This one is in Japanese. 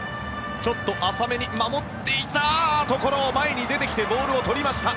ちょっと浅めに守っていたところ前に出てきてボールをとりました。